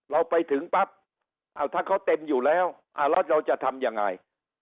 เราไปถึงปั๊บถ้าเขาเต็มอยู่แล้วแล้วเราจะทำยังไง